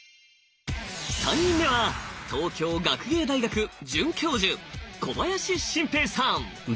３人目は東京学芸大学准教授小林晋平さん。